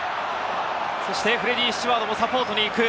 フレディー・スチュワードのサポートに行く！